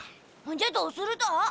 じゃあどうするだ？